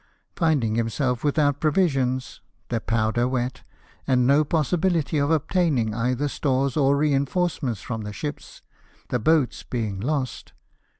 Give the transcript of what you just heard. Finding himself without provisions, their powder wet, and no possibility of obtaining either stores or re inforcements from the ships, the boats being lost